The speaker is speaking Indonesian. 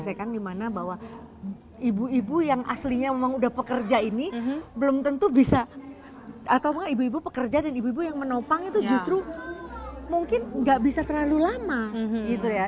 dimana bahwa ibu ibu yang aslinya memang udah pekerja ini belum tentu bisa atau ibu ibu pekerja dan ibu ibu yang menopang itu justru mungkin nggak bisa terlalu lama gitu ya